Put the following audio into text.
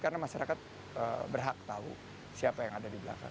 karena masyarakat berhak tahu siapa yang ada di belakang